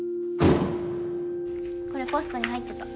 これポストに入ってた。